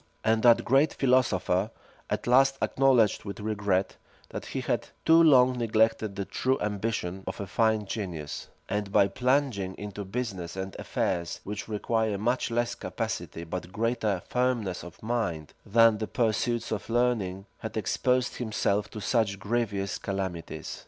And that great philosopher at last acknowledged with regret, that he had too long neglected the true ambition of a fine genius; and by plunging into business and affairs, which require much less capacity, but greater firmness of mind, than the pursuits of learning, had exposed himself to such grievous calamities.